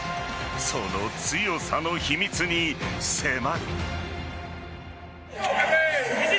その強さの秘密に迫る。